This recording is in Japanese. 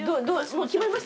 もう決まりました？